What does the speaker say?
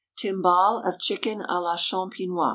_Timbale of Chicken à la Champenois.